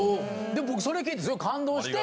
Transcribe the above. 僕それ聞いてすごい感動して。